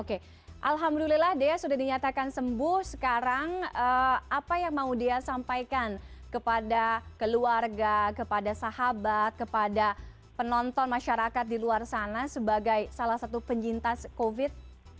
oke alhamdulillah dea sudah dinyatakan sembuh sekarang apa yang mau dia sampaikan kepada keluarga kepada sahabat kepada penonton masyarakat di luar sana sebagai salah satu penyintas covid